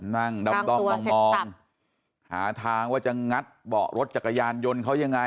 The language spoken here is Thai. นั่งด้อมมองหาทางว่าจะงัดเบาะรถจักรยานยนต์เขายังไง